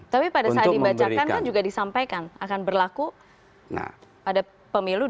tapi pada saat dibacakan kan juga disampaikan akan berlaku pada pemilu dua ribu dua puluh